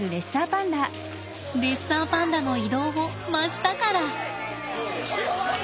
レッサーパンダの移動を真下から！